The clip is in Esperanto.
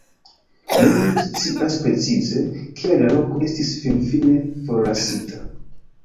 Neniu scias precize, kial la loko estis finfine forlasita.